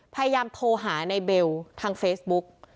พยายามโทรหาในเบลทางเฟซบุ๊ก